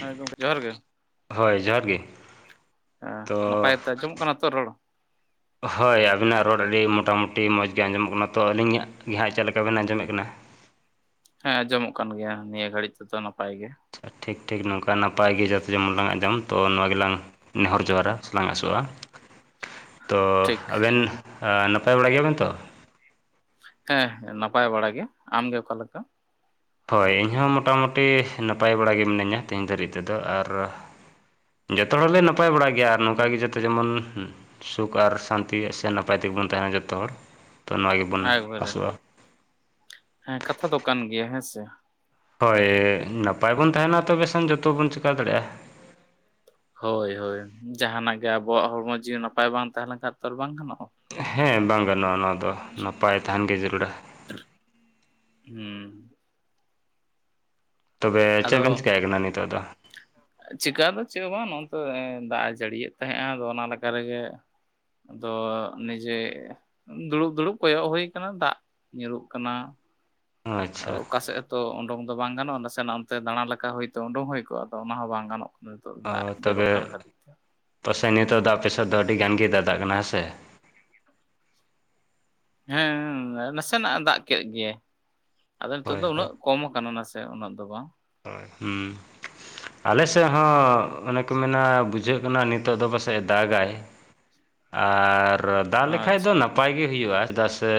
ᱦᱮᱸ ᱜᱚᱝᱠᱮ ᱡᱚᱦᱟᱨ ᱜᱮ ᱦᱳᱭ ᱡᱚᱦᱟᱨ ᱜᱮ ᱦᱮᱸ ᱛᱚ ᱱᱟᱯᱟᱭ ᱛᱮ ᱟᱸᱡᱚᱢᱚᱜ ᱠᱟᱱᱟ ᱛᱚ [inaudible] ᱦᱳᱭ ᱟᱵᱤᱱᱟᱜ ᱨᱚᱲ ᱟᱹᱰᱤ ᱢᱚᱴᱟᱢᱩᱴᱤ ᱢᱚᱡᱽ ᱜᱮ ᱟᱸᱡᱚᱢᱚᱜ ᱠᱟᱱᱟ ᱛᱚ ᱟᱹᱞᱤᱧᱟᱜ ᱜᱮ ᱦᱟᱸᱜ ᱪᱮᱫ ᱞᱮᱠᱟ ᱵᱤᱱ ᱟᱸᱡᱚᱢᱮᱫ ᱠᱟᱱᱟ ᱦᱮᱸ ᱟᱸᱡᱚᱢᱚᱜ ᱠᱟᱱ ᱜᱮᱭᱟ ᱱᱤᱭᱟᱹ ᱜᱷᱟᱹᱲᱤᱡ ᱛᱮᱫᱚ ᱱᱟᱯᱟᱭ ᱜᱮ ᱴᱷᱤᱠ ᱴᱷᱤᱠ ᱱᱚᱝᱠᱟ ᱱᱟᱯᱟᱭ ᱜᱮ ᱡᱷᱚᱛᱚ ᱡᱚᱢᱚᱱ ᱞᱟᱝ ᱟᱡᱚᱢ ᱛᱚ ᱱᱚᱣᱟ ᱜᱮᱞᱟᱝ ᱱᱮᱦᱚᱨ ᱡᱚᱦᱟᱨᱟ ᱥᱮ ᱞᱟᱝ ᱟᱥᱚᱜᱼᱟ ᱛᱚ ᱴᱷᱤᱠ ᱟᱵᱮᱱ ᱱᱟᱯᱟᱭ ᱵᱟᱲᱟ ᱜᱮᱭᱟ ᱵᱤᱱ ᱛᱚ ᱦᱮᱸ ᱦᱮᱸ ᱱᱟᱯᱟᱭ ᱵᱟᱲᱟ ᱜᱮ ᱟᱢᱜᱮ ᱚᱠᱟᱞᱮᱠᱟ ᱦᱳᱭ ᱤᱧᱦᱚᱸ ᱢᱚᱴᱟᱢᱩᱴᱤ ᱱᱟᱯᱟᱭ ᱵᱟᱲᱟᱜᱮ ᱢᱤᱱᱟᱹᱧᱟ ᱛᱮᱦᱤᱧ ᱫᱷᱟᱹᱨᱤᱡ ᱛᱮᱫᱚ ᱟᱨ ᱡᱚᱛᱚ ᱦᱚᱲᱞᱮ ᱱᱟᱯᱟᱭ ᱵᱟᱲᱟ ᱜᱮᱭᱟ ᱟᱨ ᱱᱚᱝᱠᱟᱜᱮ ᱡᱚᱛᱚ ᱡᱮᱢᱚᱱ ᱥᱩᱠ ᱟᱨ ᱥᱟᱱᱛᱤ ᱥᱮ ᱱᱟᱯᱟᱭ ᱛᱮᱜᱮ ᱵᱚᱱ ᱛᱟᱦᱮᱱᱟ ᱡᱚᱛᱚ ᱦᱚᱲ ᱛᱚ ᱱᱚᱣᱟ ᱜᱮᱵᱚᱱ ᱱᱟᱭ ᱵᱟᱲᱟᱜᱮ ᱟᱥᱚᱜᱼᱟ ᱦᱮᱸ ᱠᱟᱛᱷᱟ ᱫᱚ ᱠᱟᱱ ᱜᱮᱭᱟ ᱦᱮᱸ ᱥᱮ ᱦᱳᱭ ᱱᱟᱯᱟᱭ ᱵᱚᱱ ᱛᱟᱦᱮᱱᱟ ᱛᱚᱵᱮ ᱥᱮᱱ ᱡᱚᱛᱚ ᱵᱚᱱ ᱪᱮᱠᱟ ᱫᱟᱲᱮᱭᱟᱜᱼᱟ ᱦᱳᱭ ᱦᱳᱭ ᱡᱟᱦᱟᱱᱟᱜ ᱜᱮ ᱟᱵᱚᱣᱟᱜ ᱦᱚᱲᱢᱚ ᱡᱤᱣᱤ ᱱᱟᱯᱟᱭ ᱵᱟᱝ ᱛᱟᱦᱮᱸ ᱞᱮᱱᱠᱷᱟᱡ ᱛᱚ ᱵᱟᱝ ᱜᱟᱱᱚᱜᱼᱟ᱾ ᱦᱮᱸ ᱵᱟᱝ ᱜᱟᱱᱚᱜᱼᱟ ᱱᱚᱣᱟ ᱫᱚ ᱱᱟᱯᱟᱭ ᱛᱟᱦᱮᱱ ᱜᱮ ᱡᱟᱹᱨᱩᱲᱟ ᱦᱩᱸ ᱛᱚᱵᱮ ᱪᱮᱫ ᱵᱮᱱ ᱪᱮᱠᱟᱭ ᱠᱟᱱᱟ ᱱᱤᱛᱚᱜ ᱫᱚ? ᱪᱮᱠᱟ ᱫᱚ ᱪᱮᱫ ᱦᱚᱸ ᱵᱟᱝ ᱱᱚᱛᱮ ᱫᱟᱜ ᱮ ᱡᱟᱹᱲᱤᱭᱮᱫ ᱛᱟᱦᱮᱸᱜ ᱮ ᱟᱫᱚ ᱚᱱᱟ ᱞᱮᱠᱟ ᱨᱮᱜᱮ ᱟᱫᱚ ᱱᱤᱡᱮ ᱫᱩᱲᱩᱵ ᱫᱩᱲᱩᱵ ᱠᱚᱭᱚᱜ ᱦᱩᱭᱩ ᱠᱟᱱᱟ ᱫᱟᱜ ᱧᱩᱨᱩᱜ ᱠᱟᱱᱟ ᱟᱪᱪᱷᱟ ᱚᱠᱟ ᱥᱮᱫ ᱦᱚᱸᱛᱚ ᱩᱰᱩᱝ ᱫᱚ ᱵᱟᱝ ᱜᱟᱱᱚᱜᱼᱟ ᱱᱟᱥᱮᱱᱟᱜ ᱚᱱᱛᱮ ᱫᱟᱬᱟ ᱞᱮᱠᱟ ᱦᱚᱛ ᱩᱰᱩᱝ ᱦᱩᱭ ᱠᱚᱜᱼᱟ ᱟᱫᱚ ᱚᱱᱟ ᱦᱚᱸ ᱵᱟᱝ ᱜᱟᱱᱚᱜᱼᱟ ᱱᱤᱛᱚᱜ ᱫᱟᱜ ᱚ ᱡᱚᱨᱚᱜ ᱠᱟᱱ ᱛᱚᱵᱮ ᱠᱷᱟᱹᱛᱤᱨ ᱛᱮ ᱯᱟᱥᱮᱡ ᱱᱤᱛᱚᱜ ᱫᱟᱜ ᱯᱮᱥᱟ ᱫᱚ ᱟᱹᱰᱤ ᱜᱟᱱ ᱜᱮ ᱫᱟᱜ ᱫᱟᱜ ᱠᱟᱱᱟ ᱦᱮᱸ ᱥᱮ ᱦᱮᱸ ᱱᱟᱥᱮᱱᱟᱜ ᱮ ᱫᱟᱜ ᱠᱮᱫ ᱜᱮ ᱟᱫᱚ ᱱᱤᱛᱚᱜ ᱦᱳᱭ ᱫᱚ ᱩᱱᱟᱹᱜ ᱠᱚᱢ ᱟᱠᱟᱱᱟ ᱱᱟ ᱥᱮ ᱩᱱᱟᱹᱜ ᱫᱚ ᱵᱟᱝ ᱦᱳᱭ ᱦᱩᱸ ᱟᱞᱮ ᱥᱮᱫ ᱦᱚᱸ ᱚᱱᱮ ᱠᱚ ᱢᱮᱱᱟᱹ ᱵᱩᱡᱷᱟᱹᱜ ᱠᱟᱱᱟ ᱱᱤᱛᱚᱜ ᱫᱚ ᱯᱟᱥᱮᱡ ᱫᱟᱜᱟᱭ ᱟᱨ ᱫᱟᱜ ᱞᱮᱠᱷᱟᱜ ᱫᱚ ᱟᱪᱪᱷᱟ ᱱᱟᱯᱟᱭ ᱱᱟᱯᱟᱭ ᱜᱮ ᱦᱩᱭᱩᱜᱼᱟ ᱪᱮᱫᱟᱜ ᱥᱮ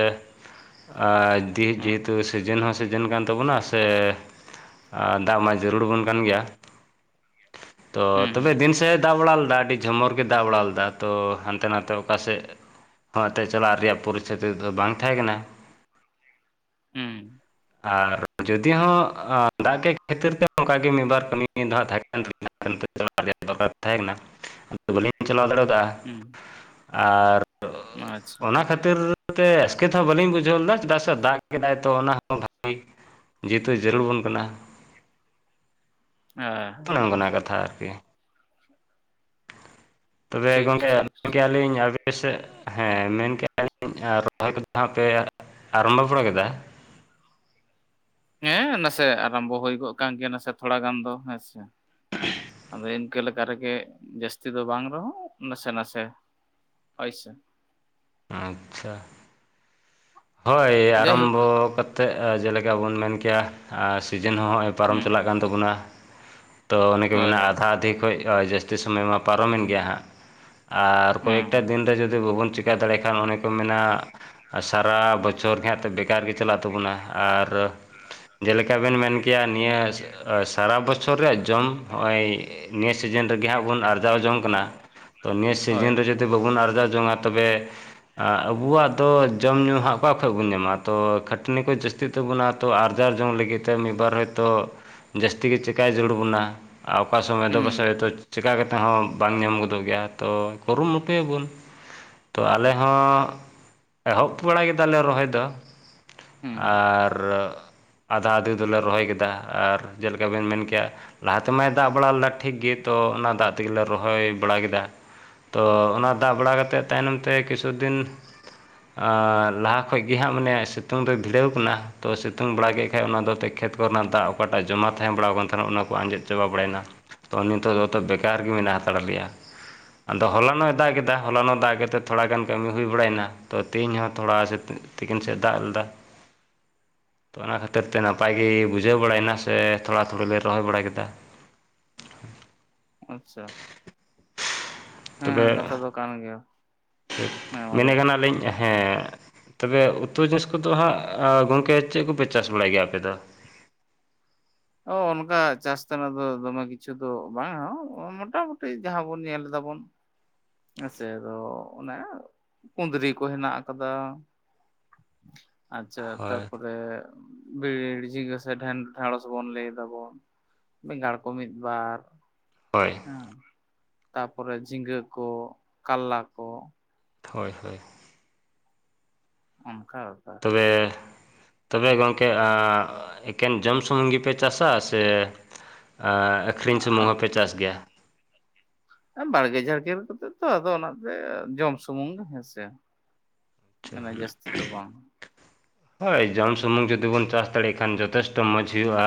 ᱟ ᱡᱮ ᱦᱩᱸ ᱡᱮᱦᱮᱛᱩ ᱥᱤᱡᱤᱱ ᱦᱚᱸ ᱥᱤᱡ ᱡᱮᱱ ᱠᱟᱱᱟ ᱛᱟᱵᱚᱱᱟ ᱥᱮ ᱟᱨ ᱫᱟᱜ ᱢᱟ ᱡᱟᱹᱨᱩᱲ ᱵᱚᱱ ᱠᱟᱱ ᱜᱮᱭᱟ ᱛᱚ ᱦᱩᱸ ᱛᱚᱵᱮ ᱫᱤᱱ ᱥᱮᱫ ᱮ ᱫᱟᱜ ᱵᱟᱲᱟ ᱞᱮᱫᱟ ᱟᱹᱰᱤ ᱡᱷᱚᱢᱚᱨ ᱜᱮ ᱫᱟᱜ ᱵᱟᱲᱟ ᱞᱮᱫᱟ ᱛᱚ ᱦᱟᱱᱛᱮ ᱱᱟᱛᱮ ᱚᱠᱟᱥᱮᱫ ᱚᱠᱟᱛᱮ ᱪᱟᱞᱟᱜ ᱨᱮᱭᱟᱜ ᱯᱚᱨᱤᱥᱛᱷᱤᱛᱤ ᱫᱚ ᱵᱟᱝ ᱛᱟᱦᱮᱸ ᱠᱟᱱᱟ ᱦᱩᱸ ᱟᱨ ᱡᱩᱫᱤ ᱦᱚᱸ ᱫᱟᱜ ᱜᱮ ᱠᱷᱟᱹᱛᱤᱨ ᱛᱮ ᱚᱱᱠᱟᱟᱜᱮ ᱢᱤᱫ ᱵᱟᱨ ᱠᱟᱹᱢᱤ ᱫᱚ ᱦᱟᱜ ᱛᱟᱦᱮᱸᱠ ᱠᱟᱱ [inaudible] ᱫᱚᱨᱠᱟᱨ ᱛᱟᱦᱮᱸ ᱠᱟᱱᱟ ᱟᱫᱚ ᱵᱟᱹᱞᱤᱧ ᱪᱟᱞᱟᱣ ᱫᱟᱲᱮ ᱠᱟᱜᱼᱟ ᱦᱩᱸ ᱟᱨ ᱦᱩᱸ ᱟᱪᱪᱷᱟ ᱚᱱᱟ ᱠᱷᱟᱹᱛᱤᱨ ᱛᱮ ᱟᱥᱠᱮᱛᱦᱚᱸ ᱵᱟᱹᱞᱤᱧ ᱵᱩᱡᱷᱟᱹᱣ ᱞᱮᱫᱟ ᱪᱮᱫᱟᱜ ᱥᱮ ᱫᱟᱜ ᱠᱮᱫᱟᱭ ᱛᱚ ᱚᱱᱟ ᱦᱚᱸ ᱵᱷᱟᱜᱤ ᱡᱮᱛᱩ ᱡᱟᱹᱨᱩᱲᱵᱚᱱ ᱠᱟᱱᱟ᱾ ᱟᱦ ᱚᱱᱟ ᱠᱟᱛᱷᱟ ᱟᱨᱠᱤ ᱛᱚᱵᱮ ᱴᱷᱤᱠ ᱜᱚᱝᱠᱮ ᱴᱷᱤᱠ [inaudible] ᱴᱷᱤᱠ ᱠᱮᱭᱟᱞᱤᱧ ᱟᱵᱤ ᱟᱯᱮᱥᱮᱫ ᱦᱮᱸ ᱢᱮᱱᱠᱼᱟᱧ ᱨᱚᱦᱚᱭ ᱠᱚᱫᱚ ᱦᱟᱸᱜ ᱯᱮ ᱟᱨᱚᱢᱵᱚ ᱵᱟᱲᱟ ᱠᱮᱫᱟ ᱦᱮᱸ ᱱᱟᱥᱮ ᱟᱨᱚᱢᱵᱚ ᱦᱩᱭ ᱠᱟᱱ ᱜᱮᱭᱟ ᱱᱟᱥᱮ ᱛᱷᱚᱲᱟ ᱜᱟᱱ ᱫᱚ ᱦᱮᱸᱥᱮ ᱟᱫᱚ ᱤᱱᱠᱟᱹ ᱞᱮᱠᱟ ᱨᱮᱜᱮ ᱡᱟᱹᱥᱛᱤ ᱫᱚ ᱵᱟᱝ ᱨᱮᱦᱚᱸ ᱱᱟᱥᱮ ᱱᱟᱥᱮ ᱦᱳᱭ ᱥᱮ ᱟᱪᱪᱷᱟ ᱦᱳᱭ ᱡᱟᱭᱦᱳᱠ ᱟᱨᱟᱢᱵᱚ ᱠᱟᱛᱮᱫ ᱡᱮᱞᱮᱠᱟ ᱵᱚᱱ ᱢᱮᱱ ᱠᱮᱭᱟ ᱥᱤᱡᱮᱱ ᱦᱚᱸ ᱱᱚᱜᱼᱚᱭ ᱯᱟᱨᱚᱢ ᱦᱩᱸ ᱪᱟᱞᱟᱜ ᱠᱟᱱ ᱛᱟᱵᱚᱱᱟ ᱛᱚ ᱚᱱᱮᱠᱮ ᱦᱳᱭ ᱢᱮᱱᱟ ᱦᱳᱭ ᱟᱫᱷᱟ ᱟᱫᱮ ᱠᱷᱚᱡ [unintelligible] ᱡᱟᱹᱥᱛᱤ ᱥᱚᱢᱚᱭ ᱢᱟ ᱯᱟᱨᱚᱢᱮᱱ ᱜᱮᱭᱟ ᱦᱟᱸᱜ ᱟᱨ ᱠᱚᱭᱮᱠᱴᱟ ᱦᱩᱸ ᱫᱤᱱᱨᱮ ᱡᱩᱫᱤ ᱵᱟᱵᱚᱱ ᱪᱮ ᱪᱤᱠᱟᱹ ᱫᱟᱲᱮ ᱠᱷᱟᱱ ᱚᱱᱮ ᱠᱚ ᱢᱮᱱᱟ ᱥᱟᱨᱟ ᱵᱚᱪᱷᱚᱨ ᱜᱮ [unintelligible] ᱵᱮᱠᱟᱨ ᱜᱮ ᱪᱟᱞᱟᱜ ᱛᱟᱵᱚᱱᱟ ᱟᱨ ᱡᱮᱞᱮᱠᱟ ᱵᱮᱱ ᱢᱮᱱ ᱠᱮᱭᱟ ᱱᱤᱭᱟᱹ ᱥᱟᱨᱟ ᱵᱚᱪᱷᱚᱨ ᱨᱮᱭᱟᱜ ᱡᱚᱢ ᱦᱚᱜᱼᱚᱭ ᱱᱤᱭᱟᱹ ᱥᱤᱡᱤᱱ ᱨᱮᱜᱮ ᱦᱟᱸᱜ ᱵᱚᱱ ᱟᱨᱡᱟᱣ ᱡᱚᱝ ᱠᱟᱱᱟ ᱛᱚ ᱱᱤᱭᱟᱹ ᱦᱳᱭ ᱥᱤᱡᱤᱱ ᱨᱮ ᱡᱩᱫᱤ ᱡᱩᱫᱤ ᱵᱟᱵᱚᱱ ᱟᱨᱡᱟᱣ ᱡᱚᱝᱟ ᱛᱚᱵᱮ ᱟᱵᱚᱣᱟᱜ ᱫᱚ ᱡᱚᱢ ᱧᱩ ᱦᱟᱸᱜ ᱚᱠᱟ ᱠᱷᱚᱡ ᱵᱚᱱ ᱧᱟᱢᱟ ᱛᱚ ᱠᱷᱟᱹᱴᱟᱹᱱᱤ ᱠᱚ ᱡᱟᱹᱥᱛᱤᱜ ᱛᱟᱵᱚᱱᱟ ᱛᱚ ᱟᱨᱡᱟᱣ ᱡᱚᱝ ᱞᱟᱹᱜᱤᱫ ᱛᱮ ᱢᱤᱫ ᱵᱟᱨ ᱛᱚ ᱡᱟᱹᱥᱛᱤ ᱜᱮ ᱪᱤᱠᱟᱭ ᱡᱟᱹᱨᱩᱲ ᱵᱚᱱᱟ ᱚᱠᱟ ᱥᱚᱢᱚᱭᱫᱚ ᱦᱩᱸ ᱯᱟᱥᱮᱡ ᱪᱮᱠᱟ ᱠᱟᱛᱮ ᱛᱮᱦᱚᱸ ᱵᱟᱝ ᱧᱟᱢ ᱜᱚᱫᱚᱜ ᱜᱮᱭᱟ ᱛᱚ ᱠᱩᱨᱩᱢᱩᱴᱩᱭᱟᱵᱚᱱ ᱛᱚ ᱟᱞᱮ ᱦᱚᱸ ᱮᱦᱚᱵ ᱵᱟᱲᱟ ᱠᱮᱫᱟᱞᱮ ᱨᱚᱦᱚᱭ ᱫᱚ ᱦᱩᱸ ᱟᱨ ᱟᱫᱷᱟ ᱟᱫᱷᱮ ᱫᱚᱞᱮ ᱨᱚᱦᱚᱭ ᱠᱮᱫᱟ ᱟᱨ ᱡᱮᱞᱮᱠᱟ ᱵᱮᱱ ᱢᱮᱱ ᱠᱮᱭᱟ ᱞᱟᱦᱟ ᱛᱮᱢᱟᱭ ᱫᱟᱜ ᱵᱟᱲᱟ ᱞᱮᱫᱟ ᱴᱷᱤᱠ ᱜᱮ ᱛᱚ ᱚᱱᱟ ᱫᱟᱜ ᱛᱮᱜᱮ ᱨᱚᱦᱚᱭ ᱵᱟᱲᱟ ᱠᱮᱫᱟ ᱛᱚ ᱚᱱᱟ ᱫᱟᱜ ᱵᱟᱲᱟ ᱠᱟᱛᱮᱫ ᱛᱟᱭᱱᱚᱢ ᱛᱮ ᱠᱤᱪᱷᱩ ᱫᱤᱱ ᱞᱟᱦᱟ ᱠᱷᱚᱡ ᱜᱮ ᱦᱟᱸᱜ ᱢᱟᱱᱮ ᱥᱤᱛᱩᱝ ᱫᱚ ᱵᱷᱤᱲᱟᱹᱣ ᱟᱠᱟᱱᱟ ᱛᱚ ᱥᱤᱛᱩᱝ ᱵᱟᱲᱟ ᱠᱮᱫ ᱠᱷᱟᱡ ᱚᱱᱟ ᱫᱚ ᱠᱷᱮᱛ ᱠᱚᱨᱮᱱᱟᱜ ᱫᱟᱜ ᱚᱠᱟᱴᱟᱜ ᱡᱚᱢᱟ ᱛᱟᱦᱮᱸ ᱵᱟᱲᱟᱣᱟᱱ ᱛᱟᱦᱮᱱᱟ ᱚᱱᱟᱠᱚ ᱟᱸᱡᱮᱫ ᱪᱟᱵᱟ ᱵᱟᱲᱟᱭᱮᱱᱟ ᱛᱚ ᱱᱤᱛᱚᱜ ᱫᱚᱛᱚ ᱵᱮᱠᱟᱨ ᱜᱮ ᱢᱮᱱᱟᱜ ᱦᱟᱛᱟᱲ ᱞᱮᱭᱟ ᱟᱫᱚ ᱦᱚᱞᱟᱱᱚᱭ ᱫᱟᱜ ᱠᱮᱫᱟ ᱦᱚᱞᱟᱱᱚᱜ ᱫᱟᱜ ᱠᱟᱛᱮᱫ ᱛᱷᱚᱲᱟ ᱜᱟᱱ ᱠᱟᱹᱢᱤ ᱦᱩᱭ ᱵᱟᱲᱟᱭᱮᱱᱟ ᱛᱚ ᱛᱮᱦᱧ ᱦᱚᱸ ᱛᱷᱚᱲᱟ ᱥᱮ ᱛᱤᱠᱤᱱ ᱥᱮᱫ ᱫᱟᱜ ᱞᱮᱫᱟ ᱩᱩ [inaudible] ᱛᱚ ᱚᱱᱟ ᱠᱷᱟᱹᱛᱤᱨ ᱛᱮ ᱱᱟᱯᱟᱭ ᱜᱮ ᱵᱩᱡᱷᱟᱹᱣ ᱵᱟᱲᱟᱭᱮᱱᱟ ᱥᱮ ᱛᱷᱚᱲᱟ ᱛᱷᱩᱲᱤ ᱞᱮ ᱨᱚᱦᱚᱭ ᱵᱟᱲᱟ ᱠᱮᱫᱟ ᱦᱦ [inaudible] ᱟᱪᱪᱷᱟ ᱦᱮᱸ ᱠᱟᱛᱷᱟ ᱫᱚ ᱠᱟᱱ ᱜᱮᱭᱟ ᱦᱮᱸ ᱢᱟ ᱞᱟᱹᱭ ᱢᱮᱱ ᱢᱮ ᱠᱟᱱᱟᱞᱤᱧ ᱦᱮᱸ ᱛᱚᱵᱮ ᱩᱛᱩ ᱡᱤᱱᱤᱥ ᱠᱚᱫᱚ ᱦᱟᱸᱜ ᱜᱚᱝᱠᱮ ᱪᱮᱫ ᱠᱚᱯᱮ ᱪᱟᱥ ᱵᱟᱲᱟᱭ ᱜᱮᱭᱟ ᱟᱯᱮ ᱫᱚ [inaudible] ᱚᱱᱠᱟ ᱪᱟᱥ ᱛᱮᱱᱟᱜ ᱫᱚ ᱫᱚᱢᱮ ᱠᱤᱪᱷᱩ ᱫᱚ ᱵᱟᱝᱟ ᱢᱚᱴᱟᱢᱩᱴᱤ ᱡᱟᱦᱟᱸ ᱵᱚᱱ ᱧᱮᱞ ᱮᱫᱟᱵᱚᱱ ᱦᱮᱸᱥᱮ ᱟᱫᱚ ᱚᱱᱮ ᱠᱩᱸᱫᱽᱨᱤ ᱠᱩ ᱦᱮᱱᱟᱜ ᱟᱠᱟᱫᱟ ᱟᱪᱪᱷᱟ ᱦᱳᱭ ᱛᱟᱨᱯᱚᱨᱮ ᱵᱤᱨᱤᱲ ᱡᱤᱸᱜᱟ ᱥᱮ ᱰᱷᱮᱸ ᱰᱷᱮᱸᱲᱚᱥ ᱵᱚᱱ ᱞᱟᱹᱭ ᱫᱟᱵᱚᱱ ᱵᱮᱸᱜᱟᱲ ᱠᱚ ᱢᱤᱫ ᱵᱟᱨ ᱦᱳᱭ ᱦᱮᱸ ᱛᱟᱯᱚᱨᱮ ᱡᱷᱤᱸᱜᱟᱹ ᱠᱚ ᱠᱟᱞᱞᱟ ᱠᱚ ᱦᱳᱭ ᱦᱳᱭ ᱚᱱᱠᱟ ᱵᱮᱯᱟᱨ ᱛᱚᱵᱮ ᱛᱚᱵᱮ ᱜᱚᱢᱠᱮ ᱮᱠᱮᱱ ᱡᱚᱢ ᱥᱩᱢᱩᱝ ᱜᱮᱯᱮ ᱪᱟᱥᱟ ᱥᱮ ᱟᱹᱠᱷᱨᱤᱧ ᱥᱩᱢᱩᱝ ᱦᱚᱸ ᱯᱮ ᱪᱟᱥ ᱜᱮᱭᱟ ᱵᱟᱲᱜᱮ ᱡᱷᱟᱲᱠᱮ ᱠᱟᱛᱮᱜ ᱛᱚ ᱟᱫᱚ ᱚᱱᱟᱛᱮ ᱡᱚᱢ ᱥᱩᱢᱩᱝ ᱜᱮ ᱦᱮᱸᱥᱮ ᱟᱪᱷᱟ ᱢᱟᱱᱮ ᱦᱩᱸ ᱡᱟᱹᱥᱛᱤ ᱫᱚ ᱵᱟᱝ [unintelligible] ᱦᱳᱭ ᱡᱚᱢ ᱥᱩᱢᱩᱝ ᱡᱩᱫᱤ ᱵᱚᱱ ᱪᱟᱥ ᱫᱟᱲᱮᱭᱟᱜ ᱠᱷᱟᱱ ᱡᱚᱛᱷᱮᱥᱴᱚ ᱢᱚᱡᱽ ᱦᱩᱭᱩᱜᱼᱟ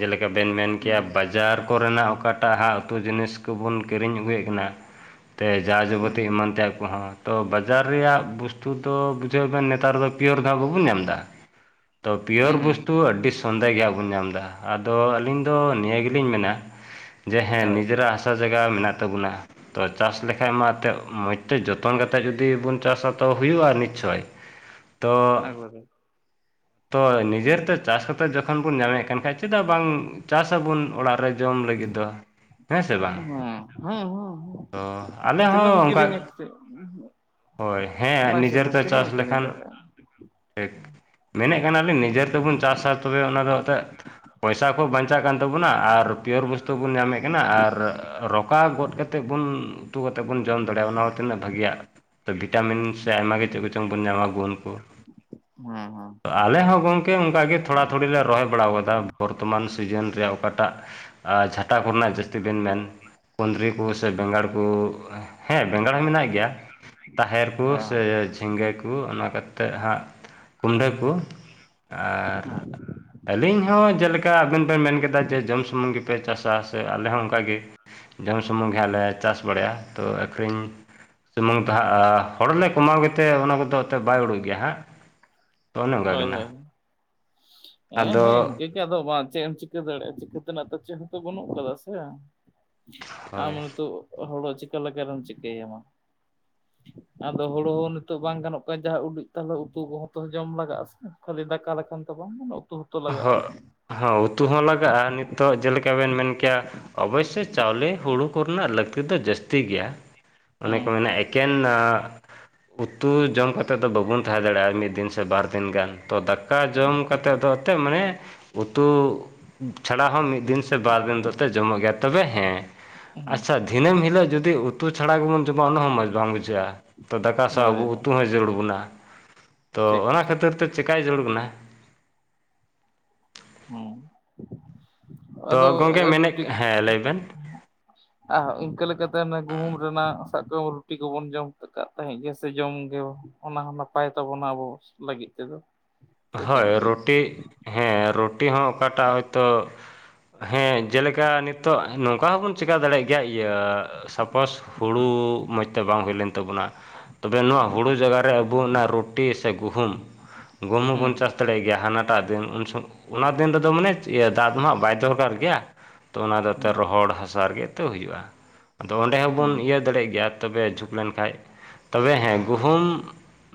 ᱡᱮᱞᱮᱠᱟ ᱵᱮᱱ ᱢᱮᱱ ᱠᱮᱭᱟ ᱦᱩᱸ ᱵᱟᱡᱟᱨ ᱠᱚᱨᱮᱱᱟᱜ ᱚᱠᱟᱴ ᱮᱴᱟᱜ ᱦᱟᱜ ᱩᱛᱩ ᱡᱤᱱᱤᱥ ᱠᱚᱵᱚᱱ ᱠᱤᱨᱤᱧ ᱟᱹᱜᱩᱭᱮᱫ ᱠᱟᱱᱟ ᱛᱮ ᱡᱟ ᱡᱟᱵᱚᱛᱤ ᱦᱩᱸ ᱮᱢᱟᱱ ᱛᱮᱭᱟᱜ ᱠᱚᱦᱚᱸ ᱛᱚ ᱵᱟᱡᱟᱨ ᱨᱮᱭᱟᱜ ᱵᱚᱥᱛᱩ ᱫᱚ ᱵᱩᱡᱷᱟᱹᱣ ᱵᱮᱱ ᱱᱮᱛᱟᱨ ᱫᱚ ᱯᱤᱭᱳᱨ ᱫᱚ ᱵᱟᱵᱚᱱ ᱧᱟᱢ ᱮᱫᱟ ᱛᱚ ᱯᱤᱭᱳᱨ ᱦᱩᱸ ᱵᱚᱥᱛᱩ ᱟᱹᱰᱤ ᱥᱚᱱᱫᱮ ᱜᱮ ᱦᱚ ᱵᱚᱱ ᱧᱟᱢ ᱮᱫᱟ ᱟᱫᱚ ᱟᱹᱞᱤᱧ ᱫᱚ ᱱᱤᱭᱟᱹ ᱜᱮᱞᱤᱧ ᱢᱮᱱᱟ ᱡᱮ ᱦᱮᱸ ᱦᱳᱭ ᱱᱤᱡᱮᱨᱟᱜ ᱦᱟᱥᱟ ᱡᱟᱭᱜᱟ ᱢᱮᱱᱟᱜ ᱛᱟᱵᱚᱱᱟ ᱛᱚ ᱪᱟᱥ ᱞᱮᱠᱷᱟᱡ ᱢᱟ ᱮᱱᱛᱮᱫ ᱢᱚᱡᱽ ᱛᱮ ᱡᱚᱛᱚᱱᱟᱛᱮᱛ ᱡᱩᱫᱤ ᱵᱚᱱ ᱪᱟᱥᱟ ᱦᱩᱭᱩᱜᱼᱟ ᱱᱤᱥᱪᱳᱚᱭ ᱛᱚ ᱮᱠᱵᱟᱨᱮ ᱛᱚ ᱱᱤᱡᱮᱨ ᱛᱮ ᱪᱟᱥ ᱠᱟᱛᱮ ᱡᱚᱠᱷᱚᱱ ᱵᱚᱱ ᱧᱟᱢᱮᱫ ᱠᱟᱱ ᱠᱷᱟᱡ ᱪᱮᱫᱟᱜ ᱵᱟᱝ ᱪᱟᱥ ᱟᱵᱚᱱ ᱚᱲᱟᱜ ᱨᱮ ᱡᱚᱢ ᱞᱟᱹᱜᱤᱫ ᱫᱚ ᱦᱮᱸ ᱥᱮ ᱵᱟᱝ ᱦᱮᱸ ᱦᱮᱸ ᱦᱮᱸ ᱛᱚ ᱟᱞᱮ ᱦᱚᱸ ᱛᱤᱱᱟᱹᱜ ᱮᱢ ᱚᱱᱠᱟ ᱠᱤᱨᱤᱧᱟ ᱠᱟᱛᱮᱫ ᱦᱳᱭ ᱚᱱᱟ ᱦᱮᱸ ᱦᱤᱥᱟᱹᱵ ᱱᱤᱡᱮᱨᱛᱮ ᱛᱤᱱᱟᱹᱜ ᱮᱢ ᱪᱟᱥ ᱠᱤᱨᱤᱧ ᱞᱮᱠᱷᱟᱱ ᱫᱟᱲᱮᱭᱟᱜᱼᱟ ᱴᱷᱤᱠ ᱢᱮᱱᱮᱫ ᱠᱟᱱᱟᱞᱤᱧ ᱱᱤᱡᱮ ᱛᱮᱵᱚᱱ ᱪᱟᱥᱼᱟ ᱛᱚᱵᱮ ᱚᱱᱟ ᱫᱚ ᱮᱱᱛᱮᱫ ᱯᱚᱭᱥᱟ ᱠᱚ ᱵᱟᱧᱪᱟᱜ ᱠᱟᱱ ᱛᱟᱵᱚᱱᱟ ᱟᱨ ᱯᱤᱭᱚᱨ ᱵᱚᱥᱛᱩ ᱛᱚ ᱵᱚᱱ ᱧᱟᱢᱮᱫ ᱠᱟᱱᱟ ᱟᱨ ᱨᱚᱠᱟ ᱜᱚᱫ ᱠᱟᱛᱮᱫ ᱵᱚᱱ ᱩᱛᱩ ᱠᱟᱛᱮᱫ ᱵᱚᱱ ᱡᱚᱢ ᱫᱟᱲᱮᱭᱟᱜᱼᱟ ᱚᱱᱟ ᱛᱤᱱᱟᱹᱜ ᱵᱷᱟᱜᱮᱟᱜ ᱵᱷᱤᱴᱟᱢᱤᱱ ᱥᱮ ᱟᱭᱢᱟ ᱜᱮ ᱪᱮᱫ ᱠᱚᱪᱚᱝ ᱵᱚᱱ ᱧᱟᱢᱟ ᱜᱩᱱ ᱠᱚ ᱦᱮᱸ ᱦᱮᱸ ᱟᱞᱮ ᱦᱚᱸ ᱜᱚᱝᱠᱮ ᱚᱱᱠᱟᱜᱮ ᱛᱷᱚᱲᱟ ᱛᱷᱩᱲᱤ ᱞᱮ ᱨᱚᱦᱚᱭ ᱵᱟᱲᱟ ᱟᱠᱟᱫᱟ ᱵᱚᱨᱛᱚᱢᱟᱱ ᱥᱤᱡᱤᱱ ᱨᱮᱭᱟᱜ ᱚᱠᱟᱴᱟᱜ ᱟᱨ ᱡᱷᱟᱴᱟ ᱠᱚᱨᱮᱱᱟᱜ ᱡᱟᱹᱥᱛᱤ ᱵᱮᱱ ᱢᱮᱱ ᱠᱩᱸᱫᱽᱨᱤ ᱠᱚ ᱥᱮ ᱵᱮᱸᱜᱟᱲ ᱠᱚ ᱦᱮᱸ ᱵᱮᱸᱜᱟᱲ ᱦᱚᱸ ᱢᱮᱱᱟᱜ ᱜᱮᱭᱟᱹ ᱛᱟᱦᱮᱨ ᱠᱩ ᱥᱮ ᱡᱷᱤᱸᱜᱟᱹ ᱠᱩ ᱚᱱᱟ ᱠᱟᱛᱮᱫ ᱦᱟᱸᱜ ᱠᱩᱢᱰᱟᱹ ᱠᱚ ᱟᱨ ᱟᱹᱞᱤᱧ ᱦᱚᱸ ᱡᱮᱞᱮᱠᱟ ᱟᱵᱮᱱ ᱵᱮᱱ ᱢᱮᱱ ᱠᱮᱫᱟ ᱡᱮ ᱡᱚᱢ ᱥᱩᱢᱩᱝ ᱜᱮᱯᱮ ᱪᱟᱥ ᱪᱟ ᱥᱮ ᱟᱞᱮ ᱦᱚᱸ ᱚᱱᱠᱟ ᱜᱮ ᱡᱚᱢ ᱥᱩᱢᱩᱝ ᱜᱮ ᱦᱟᱜ ᱞᱮ ᱪᱟᱥ ᱵᱟᱲᱟᱭᱟ᱾ ᱛᱚ ᱟᱹᱠᱷᱨᱤᱧ ᱡᱮᱢᱚᱱ ᱛᱟᱦᱟ ᱟ ᱦᱚᱲᱞᱮ ᱠᱚᱢᱟᱣ ᱜᱮᱛᱮ ᱚᱱᱟ ᱠᱚᱫᱚ ᱚᱛᱮ ᱵᱟᱭ ᱩᱰᱩᱠ ᱜᱮᱭᱟ ᱦᱟᱸᱜ ᱛᱚ ᱚᱱᱮ ᱚᱱᱠᱟ ᱦᱳᱭ ᱠᱟᱱᱟ ᱦᱳᱭ ᱦᱮᱸ ᱦᱮᱸ ᱟᱫᱚ ᱤᱱᱠᱟᱹ ᱜᱮ ᱟᱫᱚ ᱵᱟᱝ ᱪᱮᱫ ᱮᱢ ᱪᱤᱠᱟᱹ ᱫᱟᱲᱮᱭᱟᱜᱼᱟ? ᱪᱤᱠᱟᱹ ᱛᱮᱱᱟᱜ ᱛᱚ ᱪᱮᱫ ᱦᱚᱸᱛᱚ ᱵᱟᱹᱱᱩᱜ ᱠᱟᱫᱟ ᱥᱮ? ᱟᱢ ᱦᱳᱭ ᱦᱚᱛᱚᱜ ᱦᱚᱲᱳ ᱪᱤᱠᱟᱹ ᱞᱮᱠᱟᱨᱮᱢ ᱪᱤᱠᱟᱹ ᱭᱟᱢᱟ ᱟᱫᱚ ᱦᱩᱲᱩ ᱦᱚᱸ ᱱᱤᱛᱚᱜ ᱵᱟᱝ ᱜᱟᱱᱚᱜ ᱠᱟᱱᱟ ᱡᱟᱦᱟᱸ ᱩᱰᱩᱡ ᱛᱟᱞᱦᱮ ᱩᱛᱩ ᱠᱚᱦᱚᱸ ᱛᱚ ᱡᱚᱢ ᱞᱟᱜᱟᱜᱼᱟ ᱥᱮ ᱠᱷᱟᱹᱞᱤ ᱫᱟᱠᱟ ᱞᱮᱠᱷᱟᱱ ᱛᱚ ᱵᱟᱝ ᱩᱛᱩ ᱞᱟᱜᱟᱜᱼᱟ ᱦᱚᱜ ᱦᱚᱸ ᱩᱛᱩ ᱦᱚᱸ ᱞᱟᱜᱟᱜᱼᱟ, ᱱᱤᱛᱚᱜ ᱡᱮᱞᱮᱠᱟ ᱵᱮᱱ ᱢᱮᱱ ᱠᱮᱭᱟ᱾ ᱚᱵᱚᱥᱥᱳᱭ ᱪᱟᱣᱞᱮ ᱦᱩᱲᱩ ᱠᱚᱨᱮᱱᱟᱜ ᱞᱟᱹᱠᱛᱤ ᱫᱚ ᱡᱟᱹᱥᱛᱤ ᱜᱮᱭᱟ᱾ ᱚᱱᱮ ᱠᱚ ᱢᱮᱱᱟ ᱦᱩᱸ ᱮᱠᱮᱱᱻ ᱩᱛᱩ ᱡᱚᱢ ᱠᱟᱛᱮᱫ ᱫᱚ ᱵᱟᱵᱚᱱ ᱛᱟᱦᱮᱸ ᱫᱟᱲᱮᱭᱟᱜᱼᱟ ᱢᱤᱫ ᱫᱤᱱ ᱥᱮ ᱵᱟᱨ ᱫᱤᱱ ᱜᱟᱱ ᱛᱚ ᱫᱟᱠᱟ ᱡᱚᱢ ᱠᱟᱛᱮᱫ ᱫᱚ ᱮᱱᱛᱮᱫ ᱢᱟᱱᱮ ᱩᱛᱩ ᱪᱷᱟᱲᱟ ᱦᱚᱸ ᱢᱤᱫ ᱫᱤᱱ ᱥᱮ ᱵᱟᱨ ᱫᱤᱱ ᱫᱚᱯᱮ ᱡᱚᱢᱚᱜ ᱜᱮᱭᱟ᱾ ᱛᱚᱵᱮ ᱦᱮᱸ, ᱟᱪᱪᱷᱟ ᱫᱤᱱᱟᱹᱢ ᱦᱤᱞᱳᱜᱡᱩᱫᱤ ᱩᱛᱩ ᱪᱷᱟᱲᱟᱜ ᱜᱮᱵᱚᱱ ᱡᱚᱢᱟ ᱚᱱᱟ ᱦᱚᱸᱚᱸᱚᱡᱽ ᱵᱟᱝ ᱵᱩᱡᱷᱟᱹᱜᱼᱟ ᱛᱚ ᱫᱟᱠᱟ ᱥᱟᱶ ᱟᱵᱚ ᱦᱳᱭ ᱦᱳᱭ ᱩᱛᱩ ᱦᱚᱸ ᱡᱟᱹᱨᱩᱲ ᱵᱚᱱᱟ ᱛᱚ ᱴᱷᱤᱠ ᱚᱱᱟ ᱴᱷᱤᱠ ᱠᱷᱟᱹᱛᱤᱨ ᱛᱮ ᱪᱮᱠᱟᱭ ᱡᱟᱨᱩᱲ ᱠᱟᱱᱟ ᱦᱸ ᱛᱚ ᱟᱫᱚ ᱜᱚᱝᱠᱮ ᱢᱮᱱᱮᱫ ᱨᱩᱴᱤ ᱦᱮᱸ ᱞᱟᱹᱭ ᱵᱮᱱ [inaudible] ᱟᱨ ᱤᱱᱠᱟᱹ ᱞᱮᱠᱟᱛᱮ ᱚᱱᱟ ᱜᱩᱦᱩᱢ ᱨᱮᱱᱟᱜ ᱥᱟᱵᱠᱚᱢᱮ ᱨᱩᱴᱤ ᱠᱚᱵᱚᱱ ᱡᱚᱢ ᱠᱟᱜ ᱛᱟᱦᱮᱸᱜ ᱜᱮ ᱥᱮ ᱡᱚᱢ ᱜᱮ ᱚᱱᱟ ᱦᱚᱸ ᱱᱟᱯᱟᱭ ᱛᱟᱵᱚᱱᱟ ᱟᱵᱚ ᱞᱟᱹᱜᱤᱫ ᱛᱮᱫᱚ᱾ ᱥᱮ ᱪᱮᱫ ᱦᱳᱭ ᱮᱢ ᱞᱟᱹᱭᱟ ᱨᱩᱴᱤ ᱦᱮᱸ ᱨᱩᱴᱤ ᱦᱚᱸ ᱚᱠᱟᱴᱟᱜ ᱦᱚᱳᱭᱛᱳ ᱦᱮᱸ ᱡᱮᱞᱮᱠᱟ ᱱᱤᱛᱚᱜ ᱱᱚᱝᱠᱟ ᱦᱚᱸᱵᱚᱱ ᱪᱮᱠᱟ ᱫᱟᱲᱮᱭᱟᱜ ᱜᱮᱭᱟ ᱤᱭᱟᱹ ᱥᱟᱯᱳᱥ ᱦᱩᱲᱩ ᱢᱚᱡᱽ ᱛᱮ ᱵᱟᱝ ᱦᱩᱭ ᱞᱮᱱ ᱛᱟᱵᱚᱱᱟ ᱛᱚᱵᱮ ᱱᱚᱣᱟ ᱦᱩᱸ ᱦᱩᱲᱩ ᱡᱟᱜᱟ ᱨᱮ ᱟᱵᱚ ᱚᱱᱟ ᱨᱩᱴᱤ ᱥᱮ ᱜᱩᱦᱩᱢ? ᱜᱩᱦᱩᱢ ᱦᱚᱸᱵᱚᱱ ᱪᱟᱥ ᱦᱩᱸ ᱫᱟᱲᱮᱭᱟᱜ ᱜᱮᱭᱟ᱾ ᱦᱟᱱᱟᱴᱟᱜ ᱫᱤᱱ ᱩᱱ ᱥ ᱚᱱᱟ ᱫᱤᱱ ᱨᱮᱫᱚ ᱢᱟᱱᱮ ᱤᱭᱟᱹ ᱫᱟᱜ ᱢᱟ ᱵᱟᱭ ᱫᱚᱨᱠᱟᱨ ᱜᱮᱭᱟ᱾ ᱛᱚ ᱚᱱᱟᱫᱚ ᱛᱮ ᱨᱚᱦᱚᱲ ᱦᱟᱥᱟ ᱨᱮᱜᱮᱛᱚ ᱦᱩᱭᱩᱜᱼᱟ᱾ ᱟᱫᱚ ᱚᱸᱰᱮ ᱦᱚᱸᱵᱚᱱ ᱦᱩᱸ ᱤᱭᱟᱹ ᱫᱟᱲᱮᱜ ᱜᱮᱭᱟ ᱛᱚᱵᱮ ᱡᱷᱩᱠ ᱞᱮᱱᱠᱷᱷᱟ ᱛᱚᱵᱮ ᱦᱮᱸ ᱜᱩᱦᱩᱢ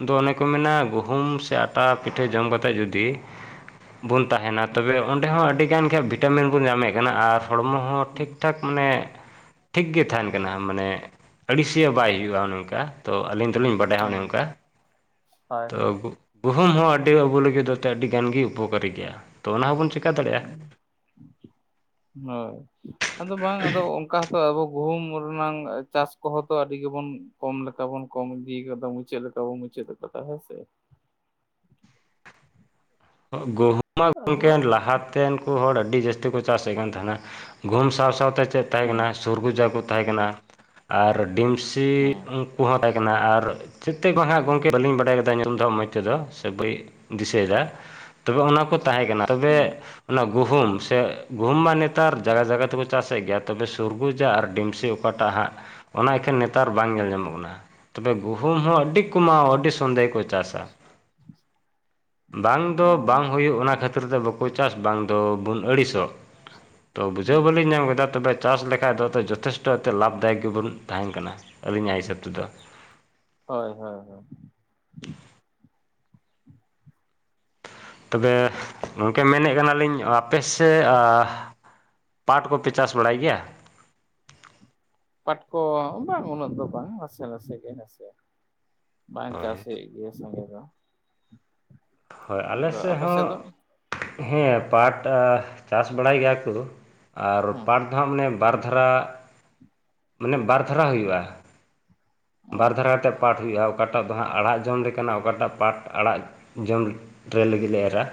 ᱫᱚ ᱚᱱᱮ ᱠᱚ ᱢᱮᱱᱟ ᱜᱩᱦᱩᱢ ᱥᱮ ᱯᱟᱴᱟ ᱯᱤᱴᱷᱟᱹ ᱡᱚᱢ ᱠᱟᱛᱮ ᱡᱩᱫᱤ ᱵᱚᱱ ᱛᱟᱦᱮᱱᱟ ᱛᱚᱵᱮ ᱚᱸᱰᱮ ᱦᱚᱸ ᱟᱹᱰᱤ ᱜᱟᱱ ᱜᱮ ᱵᱷᱤᱴᱟᱢᱤᱱ ᱵᱚᱱ ᱧᱟᱢᱮᱜ ᱠᱟᱱᱟ ᱟᱨ ᱦᱚᱲᱢᱚ ᱦᱚᱸ ᱴᱷᱤᱠ ᱦᱩᱸ ᱴᱷᱟᱠ ᱢᱟᱱᱮ ᱴᱷᱤᱠ ᱜᱮ ᱛᱟᱦᱮᱸᱱ ᱠᱟᱱᱟ᱾ ᱢᱟᱱᱮ ᱟᱹᱲᱤᱥᱤᱭᱟᱹ ᱵᱟᱭ ᱦᱩᱭᱩᱜᱼᱟ᱾ ᱱᱚᱝᱠᱟ ᱛᱚ ᱟᱹᱞᱤᱧ ᱛᱚᱞᱤᱝ ᱵᱟᱰᱟᱭᱟ ᱚᱱᱮ ᱦᱳᱭ ᱚᱱᱠᱟ, ᱦᱳᱭ ᱦᱳᱭ ᱛᱚ ᱜᱩᱦᱩᱢ ᱦᱚᱸ ᱟᱹᱰᱤ ᱟᱵᱚ ᱞᱟᱹᱜᱤᱫ ᱟᱹᱰᱤ ᱜᱟᱱ ᱜᱮ ᱩᱯᱚᱠᱟᱨᱤ ᱜᱮᱭᱟ᱾ ᱛᱚ ᱚᱱᱟ ᱦᱚᱸᱵᱚᱱ ᱪᱮᱠᱟ ᱫᱟᱲᱮᱭᱟᱜᱼᱟ? ᱦᱳᱭ ᱟᱫᱚ ᱵᱟᱝ ᱟᱫᱚ ᱚᱱᱠᱟᱛᱚ ᱟᱵᱚ ᱜᱩᱦᱩᱢ ᱨᱮ ᱨᱮᱱᱟᱜ ᱪᱟᱥ ᱠᱚᱦᱚᱸ ᱛᱚ ᱟᱹᱰᱤ ᱜᱮᱵᱚᱱ ᱠᱚᱢ ᱞᱮᱠᱟ ᱵᱚᱱ ᱠᱚᱢ ᱤᱫᱤᱠᱟᱫᱟ ᱢᱩᱪᱟᱹᱫ ᱞᱮᱠᱟ ᱛᱚ ᱢᱩᱪᱟᱫ ᱟᱠᱟᱫᱟ ᱦᱳᱭ ᱥᱮ ᱜᱩᱦᱩᱢᱟ ᱟᱫᱚ ᱜᱚᱢᱠᱮ ᱞᱟᱦᱟ ᱛᱮᱱᱠᱚ ᱦᱚᱲ ᱟᱹᱰᱤ ᱡᱟᱹᱥᱛᱤ ᱠᱚ ᱪᱟᱥᱮᱫ ᱠᱟᱱ ᱛᱟᱦᱮᱱᱟ, ᱜᱩᱦᱩᱢ ᱥᱟᱶ ᱥᱟᱶᱛᱮ ᱪᱮᱫ ᱛᱟᱦᱮᱸ ᱦᱩᱸ ᱠᱟᱱᱟ ᱥᱩᱨᱜᱩᱡᱟ ᱠᱚ ᱛᱟᱦᱮᱸ ᱠᱟᱱᱟ ᱟᱨ ᱰᱤᱢᱥ ᱥᱤ ᱦᱩᱸ ᱩᱱᱠᱩ ᱦᱚᱸᱚᱸ ᱛᱟᱦᱮᱸ ᱠᱟᱱᱟ ᱟᱨ ᱪᱮᱫᱛᱮ ᱵᱟ ᱦᱟᱜ ᱜᱚᱝᱠᱮ ᱵᱟᱹᱞᱤᱧ ᱵᱟᱰᱟᱭ ᱠᱟᱫᱟ ᱧᱩᱛᱩᱢ ᱫᱚ ᱢᱚᱡᱽ ᱛᱮᱫᱚ ᱥᱮ ᱵᱟᱹᱧ ᱫᱤᱥᱟᱹᱭᱫᱟ᱾ ᱛᱚᱵᱮ ᱚᱱᱟ ᱠᱚ ᱛᱟᱦᱮᱸ ᱠᱟᱱᱟ᱾ ᱛᱚᱵᱮ ᱦᱩᱸ ᱚᱱᱟ ᱜᱩᱦᱩᱢ ᱥᱮ ᱜᱩᱦᱩᱢ ᱢᱟ ᱱᱮᱛᱟᱨ ᱡᱟᱭᱟ ᱡᱟᱭᱟ ᱛᱮᱠᱚ ᱪᱟᱥᱮᱫ ᱜᱮᱭᱟ ᱛᱚᱵᱮ ᱥᱩᱨᱜᱩᱡᱟ ᱟᱨ ᱰᱤᱢᱥᱤ ᱚᱠᱛ ᱯᱟᱴᱟ ᱦᱟᱸᱜ ᱚᱱᱟ ᱮᱠᱷᱟᱱ ᱱᱮᱛᱚᱜ ᱱᱮᱛᱟᱨ ᱵᱟᱝ ᱧᱮᱞ ᱧᱟᱢᱚᱜ ᱠᱟᱱᱟ ᱛᱚᱵᱮ ᱜᱩᱦᱩᱢ ᱦᱚᱸ ᱟᱹᱰᱤ ᱠᱚᱢᱟᱣ ᱟᱹᱰᱤ ᱥᱚᱱᱫᱮᱦᱮ ᱠᱚ ᱪᱟᱥᱥᱟᱹ ᱦ [inaudible] ᱵᱟᱝ ᱫᱚ ᱵᱟᱝ ᱦᱩᱭᱩᱜ, ᱚᱱᱟ ᱠᱷᱟᱹᱛᱤᱨ ᱛᱮ ᱵᱟᱠᱚ ᱪᱟᱥ ᱵᱟᱝ ᱫᱚᱵᱚᱱ ᱟᱹᱲᱤᱥᱚᱜ᱾ ᱛᱚ ᱦᱩᱸ ᱵᱩᱡᱷᱟᱹᱣ ᱵᱟᱹᱞᱤᱧ ᱧᱟᱢ ᱠᱮᱫᱟ ᱛᱚᱵᱮ ᱪᱟᱥ ᱞᱮᱠᱷᱟᱡ ᱫᱚ ᱡᱚᱛᱷᱮᱥᱴᱚ ᱟᱛᱮ ᱞᱟᱵᱷ ᱫᱟᱭᱚᱠ ᱜᱮᱵᱚᱱ ᱛᱟᱦᱮᱱ ᱠᱟᱱᱟ ᱟᱹᱞᱤᱧᱟᱜ ᱦᱤᱥᱟᱹᱵᱽ ᱛᱮᱫᱚ ᱦᱳᱭ ᱦᱳᱭ ᱦᱳᱭ ᱛᱚᱵᱮ ᱜᱚᱝᱠᱮ ᱢᱮᱱᱮ ᱠᱟᱱᱟᱞᱤᱧ ᱟᱯᱮ ᱥᱮ ᱟᱹ? ᱯᱟᱨᱴ ᱠᱚᱯᱮ ᱪᱟᱥ ᱵᱟᱲᱟᱭ ᱜᱮᱭᱟ? ᱯᱟᱴᱠᱚ ᱵᱟᱝ ᱩᱱᱟᱹᱜ ᱫᱚ ᱵᱟᱝ ᱱᱟᱥᱮ ᱱᱟᱥᱮ ᱜᱮ ᱱᱟᱥᱮ ᱵᱟᱝ ᱪᱟᱥ ᱦᱳᱭ ᱦᱳᱦᱳᱜ ᱜᱮᱭᱟ ᱥᱚᱸᱜᱮ ᱫᱚ᱾ ᱦᱳᱭ ᱟᱞᱮ ᱟᱫᱚ ᱥᱮᱫ ᱟᱯᱮ ᱦᱚᱸ ᱫᱚ ᱦᱮᱸ ᱯᱟᱴ ᱟ ᱪᱟᱥ ᱵᱟᱲᱟᱭ ᱜᱮᱭᱟ ᱠᱚ, ᱟᱨ ᱦᱩᱸ ᱯᱟᱴ ᱱᱟᱦᱟᱜ ᱢᱟᱱᱮ ᱵᱟᱨ ᱫᱷᱟᱨᱟ ᱢᱟᱱᱮ ᱵᱟᱨ ᱫᱷᱟᱨᱟ ᱦᱩᱭᱩᱜᱼᱟ᱾ ᱵᱟᱨ ᱦᱩᱸ ᱫᱷᱟᱨᱟ ᱛᱮ ᱯᱟᱴ ᱦᱩᱭᱩᱜᱼᱟ ᱚᱠᱟᱴᱟᱜ ᱫᱚ ᱦᱟᱸᱜ ᱟᱲᱟᱜ ᱡᱚᱢᱠ ᱚᱠᱟᱴᱟᱜ ᱯᱟᱴ ᱟᱲᱟᱜ ᱡᱚᱢ ᱨᱮ ᱞᱟᱹᱜᱤᱫ ᱞᱮ ᱮᱨᱟ᱾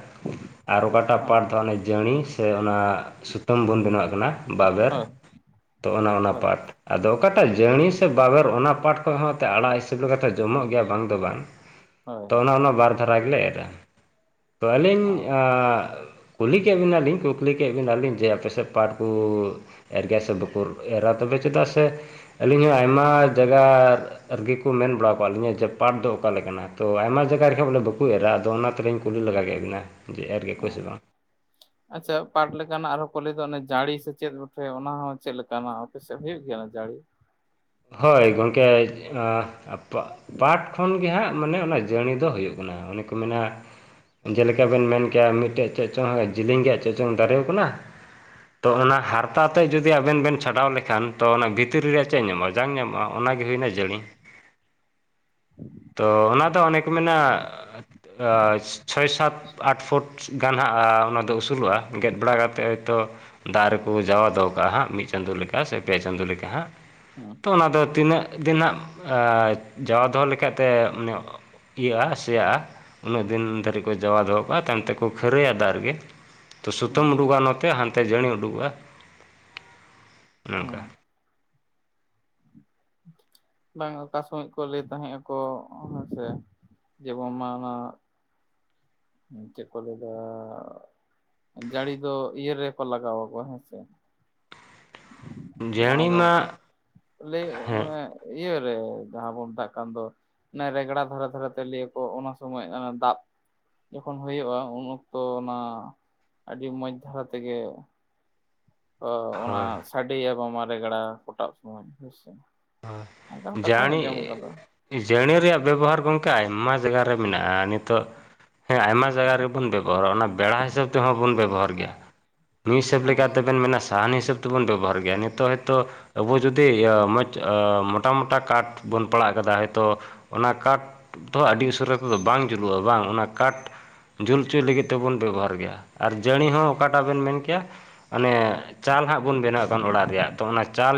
ᱟᱨ ᱚᱠᱟᱴᱟᱜ ᱦᱩᱸ ᱯᱟᱴ ᱫᱚ ᱦᱟᱜ ᱡᱟᱹᱲᱤ ᱥᱮ ᱚᱱᱟ ᱥᱩᱛᱟᱹᱢ ᱵᱚᱱ ᱵᱮᱱᱟᱣᱟᱜ ᱠᱟᱱᱟ ᱵᱟᱵᱮᱨ ᱦᱳᱭ ᱛᱚ ᱚᱱᱮ ᱚᱱᱟ ᱦᱳᱭ ᱯᱟᱴ᱾ ᱟᱫᱚ ᱚᱠᱟᱴᱟᱜ ᱡᱟᱹᱲᱤ ᱥᱮ ᱵᱟᱵᱮᱨ ᱚᱱᱟ ᱯᱟᱴ ᱦᱚᱸ ᱦᱚᱸ ᱛᱮ ᱟᱲᱟᱜ ᱦᱤᱥᱜᱟᱹᱞ ᱞᱮᱠᱟᱛᱮ ᱡᱚᱢᱚᱜ ᱜᱮᱭᱟ ᱵᱟᱝ ᱫᱚ ᱵᱟᱝ᱾ ᱛᱚ ᱦᱳᱭ ᱚᱱᱟ ᱚᱱᱟ ᱵᱟᱨ ᱫᱷᱟᱨᱟ ᱜᱮᱞᱮ ᱮᱨᱟᱼᱟ ᱛᱚ ᱟᱹᱞᱤᱧ ᱦᱳᱭ ᱟ ᱠᱩᱞᱤ ᱠᱮᱜ ᱵᱮᱤᱱᱟᱞᱤᱧ ᱠᱩᱠᱞᱤ ᱠᱮᱜ ᱵᱮᱤᱱᱟᱞᱤᱧ, ᱡᱮ ᱟᱯᱮᱥᱮᱜ ᱯᱟᱴ ᱠᱚ ᱮᱨ ᱜᱮᱭᱟ ᱥᱮ ᱵᱟᱠᱩ ᱮᱨᱟ ᱛᱚᱵᱮ ᱪᱮᱫᱟᱜ ᱥᱮ, ᱟᱹᱞᱤᱧ ᱦᱚᱸ ᱟᱭᱢᱟ ᱡᱟᱭᱜᱟ ᱟᱨᱜᱤ ᱠᱚ ᱢᱮᱱ ᱵᱟᱲᱟᱣ ᱠᱟᱜ ᱞᱤᱧᱟᱹ ᱡᱮ ᱯᱟᱴ ᱫᱚ ᱚᱠᱟᱞᱮᱱᱟᱜ, ᱛᱚ ᱟᱭᱢᱟ ᱡᱟᱭᱜᱟ ᱨᱮᱜ ᱵᱚᱞᱮ ᱵᱟᱠ ᱠᱩ ᱮᱨᱟ ᱟᱫᱚ ᱚᱱᱟ ᱛᱮᱞᱤᱧ ᱠᱩᱞᱤ ᱞᱮᱟᱜᱟ ᱠᱮᱫ ᱵᱤᱱᱟ, ᱡᱮ ᱮᱨ ᱜᱮᱭᱟᱠᱚ ᱥᱮ ᱵᱟᱝ? [inaudible] ᱟᱪᱪᱷᱟ ᱯᱟᱴ ᱞᱮᱠᱟᱱᱟᱜ ᱟᱨᱦᱚᱸ ᱠᱚ ᱞᱟᱹᱭ ᱫᱚ ᱚᱱᱮ ᱡᱟᱹᱲᱤ ᱥᱮ ᱪᱮᱫ ᱚᱱᱟᱦᱚᱸ ᱪᱮᱫ ᱞᱮᱠᱟᱱᱟᱜ ᱚᱯᱮᱥᱮ ᱦᱩᱭᱩᱜ ᱜᱮᱭᱟ ᱡᱟᱹᱲᱤ ᱦᱳᱭ ᱜᱚᱝᱠᱮ ᱯᱟ ᱯᱟᱴᱷ ᱠᱷᱚᱱ ᱜᱮ ᱦᱟᱸᱜ ᱢᱟᱱᱮ ᱚᱱᱟ ᱡᱟᱹᱱᱤ ᱫᱚ ᱦᱳᱭᱳᱜ ᱠᱟᱱᱟ ᱚᱱᱮ ᱠᱚ ᱢᱮᱱᱟ ᱡᱮᱞᱮᱠᱟ ᱵᱮᱱ ᱢᱮᱱ ᱠᱮᱜᱼᱟ ᱢᱤᱫᱴᱮᱡ ᱪᱮᱜ ᱪᱚᱝ ᱡᱮᱞᱮᱧ ᱨᱮᱭᱟᱜ ᱪᱮᱫ ᱪᱚᱝ ᱫᱟᱨᱮᱣ ᱠᱟᱱᱟ᱾ ᱛᱚ ᱚᱱᱟ ᱦᱟᱨᱛᱟ ᱛᱮ ᱡᱩᱫᱤ ᱟᱵᱮᱱ ᱵᱮᱱ ᱪᱷᱟᱰᱟᱣ ᱞᱮᱠᱷᱟᱱ ᱛᱚ ᱚᱱᱟ ᱵᱷᱤᱛᱨᱤ ᱨᱮᱭᱟᱜ ᱪᱮᱫ ᱧᱟᱢᱚᱜᱼᱟ? ᱡᱟᱝ ᱧᱟᱢᱚᱜᱼᱟ, ᱚᱱᱟᱜᱮ ᱦᱳᱭᱱᱟ ᱡᱟᱹᱲᱤ᱾ ᱛᱚ ᱚᱱᱟᱫᱚ ᱚᱱᱮ ᱠᱚ ᱢᱮᱱᱟᱜᱼᱟ, ᱟ ᱪᱷᱚᱭ ᱥᱟᱛ, ᱟᱴ ᱯᱷᱩᱴ᱾ ᱜᱟᱱ ᱦᱟᱸᱜᱼᱟ ᱚᱱᱟᱫᱚ ᱟᱹᱥᱩᱞᱚᱜᱼᱟ ᱜᱮᱫ ᱵᱟᱲᱟ ᱠᱟᱛᱮᱫ ᱦᱚᱭᱛᱳ ᱫᱟᱜ ᱨᱮᱠᱚ ᱡᱟᱣᱟ ᱫᱚᱦᱚ ᱠᱟᱜᱼᱟ, ᱦᱟᱸᱜ ᱢᱤᱫ ᱪᱟᱸᱫᱳ ᱞᱮᱠᱟ ᱥᱮ ᱯᱮ ᱪᱟᱸᱫᱳ ᱞᱮᱠᱟ ᱦᱟᱸᱜ᱾ ᱦᱩᱸ ᱛᱚ ᱚᱱᱟ ᱫᱚ ᱛᱤᱱᱟᱹᱜ ᱫᱤᱱᱟᱜ ᱟ ᱡᱟᱣᱟ ᱫᱚᱦᱚ ᱞᱮᱠᱷᱟᱡ ᱛᱮ ᱢᱟᱱᱮ ᱚ ᱤᱭᱟᱹᱜᱼᱟ ᱥᱮᱭᱟ ᱟ᱾ ᱩᱱᱟᱹᱜ ᱫᱤᱱ ᱫᱷᱟᱹᱨᱤᱜ ᱠᱚ ᱡᱟᱣᱟ ᱫᱚᱦᱚ ᱠᱟᱜᱼᱟ, ᱛᱟᱭᱚᱢ ᱛᱮᱠᱚ ᱠᱷᱟᱹᱨᱟᱹᱭᱟ ᱫᱟᱜ ᱨᱮᱜᱮ᱾ ᱛᱚ ᱦᱩᱸ ᱥᱩᱛᱟᱹᱢ ᱩᱰᱩᱠᱚᱜ ᱱᱚᱛᱮ ᱦᱟᱱᱛᱮ ᱡᱟᱹᱱᱤ ᱩᱰᱩᱠᱚᱜᱼᱟ ᱱᱚᱝᱠᱟ᱾ ᱦᱩᱸ ᱵᱟᱝ ᱚᱠᱟ ᱥᱚᱢᱚᱭ ᱠᱚ ᱞᱟᱹᱭ ᱛᱟᱦᱮᱸᱜ ᱟᱠᱚ ᱦᱮᱸᱥᱮ᱾ ᱡᱮᱢᱚᱱ ᱢᱟ ᱚᱱᱟ ᱪᱮᱫ ᱠᱚ ᱞᱟᱹᱭ ᱫᱟ ᱡᱟᱹᱲᱤ ᱫᱚ ᱤᱭᱟᱹ ᱨᱮᱠᱚ ᱞᱟᱜᱟᱣ ᱟᱠᱚ ᱦᱮᱸ ᱥᱮ᱾ ᱡᱟᱦᱟᱸ ᱵᱚᱱ ᱡᱟᱹᱲᱤᱢᱟ ᱞᱟᱹᱭ ᱦᱮᱸ ᱚᱱᱮ ᱤᱭᱟᱹ ᱨᱮ ᱡᱟᱦᱟᱸ ᱵᱚᱱ ᱢᱮᱛᱟᱜ ᱠᱟᱱ ᱫᱚ ᱚᱱᱮ ᱨᱮᱜᱽᱲᱟ ᱫᱷᱟᱨᱮ ᱫᱷᱟᱨᱮ ᱛᱮ ᱞᱟᱹᱭᱟᱠᱚ ᱚᱱᱟ ᱥᱚᱢᱚᱭ ᱮ ᱫᱟᱯ᱾ ᱡᱚᱠᱷᱚᱱ ᱦᱩᱭᱩᱜᱳᱼᱟ ᱩᱱ ᱚᱠᱛᱚ ᱚᱱᱟ ᱟᱹᱰᱤ ᱢᱚᱸᱡᱽ ᱫᱷᱟᱨᱟ ᱛᱮᱜᱮ ᱚ ᱚᱱᱟ ᱦᱳᱭ ᱥᱟᱰᱮᱭᱟ ᱵᱟᱝᱢᱟ ᱨᱮᱜᱲᱟ ᱠᱚᱴᱟᱵ ᱥᱚᱢᱚᱭ ᱦᱮᱸᱥᱮ᱾ ᱚᱱᱠᱟᱧ ᱠᱟᱛᱷᱟᱧ ᱟᱸᱡᱚᱢ ᱠᱟᱫᱟ᱾ ᱡᱟᱸᱲᱤ ᱨᱮᱭᱟᱜ ᱵᱮᱵᱚᱦᱟᱨ ᱜᱚᱝᱠᱮ, ᱟᱭᱢᱟ ᱡᱟᱭᱜᱟ ᱨᱮ ᱢᱮᱱᱟᱜᱼᱟ ᱱᱤᱛᱚᱜ ᱦᱮᱸ ᱟᱭᱢᱟ ᱡᱟᱭᱜᱟ ᱨᱮ ᱵᱚᱱ ᱵᱮᱵᱚᱦᱟᱨᱟ ᱚᱱᱟ ᱵᱮᱲᱟ ᱦᱤᱥᱟᱹᱵ ᱛᱮᱦᱚᱸ ᱵᱚᱱ ᱵᱮᱵᱚᱦᱟᱨ ᱜᱮᱭᱟ, ᱢᱤᱜ ᱦᱤᱥᱟᱹᱵ ᱚ ᱞᱮᱠᱟᱛᱮᱵᱮᱱ ᱢᱮᱱᱟ ᱥᱟᱦᱟᱱᱤ ᱦᱤᱥᱟᱹᱵᱽ ᱛᱮᱵᱚᱱ ᱵᱮᱵᱚᱦᱟᱨ ᱜᱮᱭᱟ ᱱᱤᱛᱚᱜ ᱦᱳᱭᱛᱚ ᱟᱵᱚ ᱡᱩᱫᱤ ᱤᱭᱟᱹ ᱢᱚᱡᱽ ᱟ ᱢᱚᱴᱟ ᱢᱚᱴᱟ ᱠᱟᱴ ᱵᱚᱱ ᱯᱟᱲᱟᱜ ᱠᱟᱫᱟ ᱦᱚᱭᱛᱚ ᱚᱱᱟ ᱠᱟᱴᱷ ᱫᱚ ᱟᱹᱰᱤ ᱩᱥᱟᱹᱨᱟ ᱛᱮᱫᱚ ᱵᱟᱝ ᱡᱩᱞᱩᱜᱼᱟ ᱵᱟᱝ ᱚᱱᱟ ᱠᱟᱴᱷ? ᱡᱩᱞ ᱦᱚᱪᱚᱭ ᱞᱟᱹᱜᱤᱫ ᱛᱮᱵᱚᱱ ᱵᱮᱵᱚᱦᱟᱨ ᱜᱮᱭᱟ ᱟᱨ ᱡᱟᱹᱲᱤᱸ ᱦᱚᱸ ᱚᱠᱟᱴᱟᱜ ᱵᱮᱱ ᱢᱮᱱ ᱠᱮᱭᱟ ᱚᱱᱮ ᱪᱟᱞ ᱦᱟᱸᱜ ᱵᱚᱱ ᱵᱮᱱᱟᱣ ᱠᱟᱱ ᱚᱲᱟᱜ ᱨᱮᱭᱟᱜ ᱛᱚ ᱚᱱᱟ ᱪᱟᱞ